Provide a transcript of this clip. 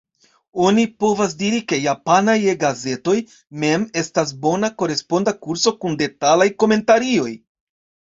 Oni povas diri, ke japanaj E-gazetoj mem estas bona koresponda kurso kun detalaj komentarioj.